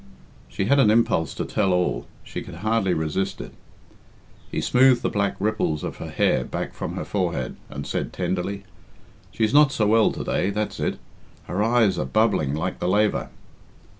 She had an impulse to tell all she could hardly resist it. He smoothed the black ripples of her hair back from her forehead, and said, tenderly, "She's not so well to day, that's it. Her eyes are bubbling like the laver."